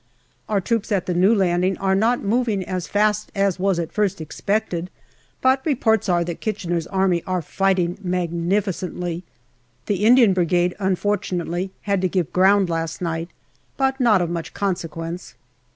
Our troops at the new landing are not moving as fast as was at first expected, but reports are that Kitchener's Army are fighting magnificently. The Indian Brigade unfortunately had to give ground last night, but not of much consequence.